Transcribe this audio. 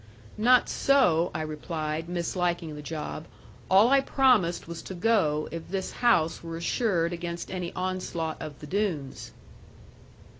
'Not so,' I replied, misliking the job, 'all I promised was to go, if this house were assured against any onslaught of the Doones.'